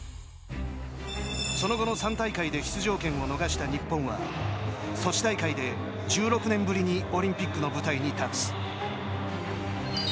その後の３大会で出場権を逃した日本はソチ大会で１６年ぶりにオリンピックの舞台に立つ。